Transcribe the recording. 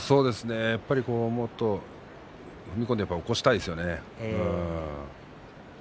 やっぱりもっと踏み込んで残したいんですよね。